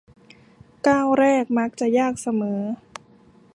ก้าวแรกมักจะยากเสมอ